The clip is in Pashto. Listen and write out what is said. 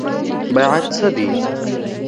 بیعت څه دی؟